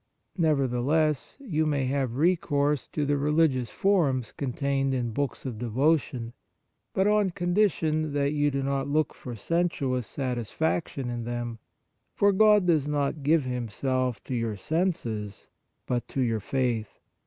Nevertheless, you may have recourse to the religious forms contained in books of devotion, but on condition that you do not look for sensuous satisfaction in them ; for God does not give Himself to your senses, but to your faith.